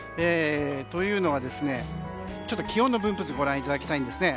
というのは、気温の分布図をご覧いただきたいんですね。